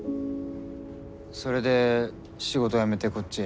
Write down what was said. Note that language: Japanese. それで仕事辞めてこっちへ？